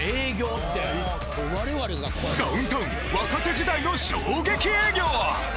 ダウンタウン若手時代の衝撃営業！